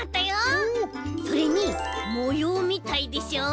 それにもようみたいでしょ？